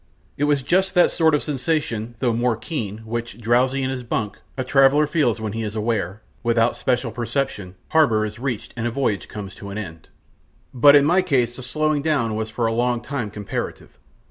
It was just that sort of sensation though more keen which, drowsy in his bunk, a traveller feels when he is aware, without special perception, harbour is reached and a voyage comes to an end. But in my case the slowing down was for a long time comparative.